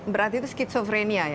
berarti itu schizophrenia ya